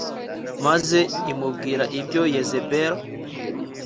maze imubwira ibyo Yezebeli